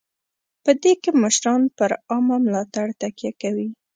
په دې کې مشران پر عامه ملاتړ تکیه کوي.